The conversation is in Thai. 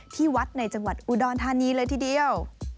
ที่วัดในจังหวัดอุดรธานีเลยทีเดียว